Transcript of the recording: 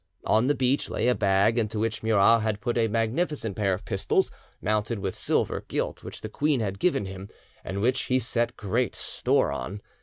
On the beach lay a bag into which Murat had put a magnificent pair of pistols mounted with silver gilt which the queen had given him, and which he set great store on.